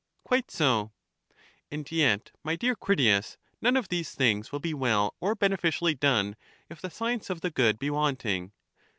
Quite so. And yet, my dear Critias," none of these things will be well or beneficially done, if the science of the good be wanting.